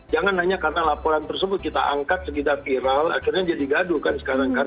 jangan hanya karena laporan tersebut kita angkat sekitar viral akhirnya jadi gaduh kan sekarang kan